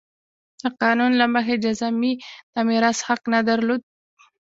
د قانون له مخې جذامي د میراث حق نه درلود.